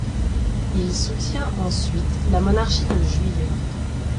Il soutient ensuite la Monarchie de Juillet.